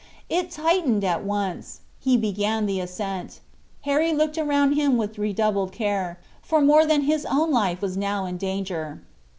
It tightened at once; he began the ascent. Harry looked around him with redoubled care, for more than his own life was now in danger.